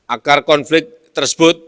agar konflik tersebut